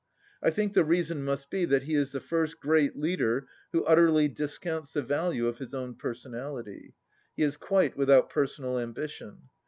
I think the reason must be that he is the first great leader who utterly discounts the value of his own personality. He is quite without personal ambition.